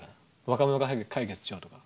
若者が早く解決しろとか。